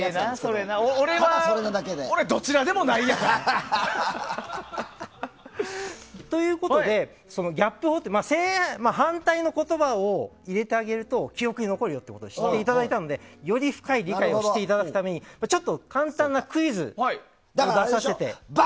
ええな、俺はどっちでもない。ということでギャップ法って反対の言葉を入れてあげると記憶に残るよということを知っていただいたのでより深い理解をしていただくため簡単なクイズをバカ！